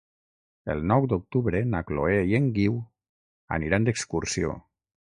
El nou d'octubre na Chloé i en Guiu aniran d'excursió.